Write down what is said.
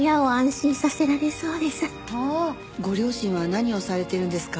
ご両親は何をされているんですか？